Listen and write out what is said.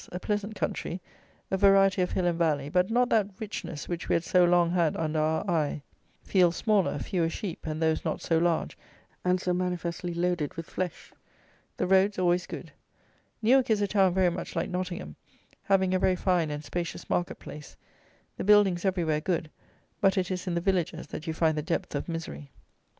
A pleasant country; a variety of hill and valley; but not that richness which we had so long had under our eye: fields smaller; fewer sheep, and those not so large, and so manifestly loaded with flesh. The roads always good. Newark is a town very much like Nottingham, having a very fine and spacious market place; the buildings everywhere good; but it is in the villages that you find the depth of misery.